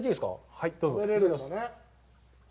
はい、どうぞ。